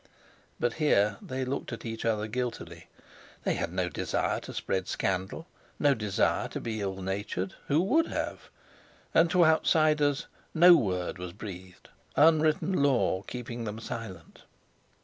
But here they looked at each other guiltily. They had no desire to spread scandal, no desire to be ill natured. Who would have? And to outsiders no word was breathed, unwritten law keeping them silent.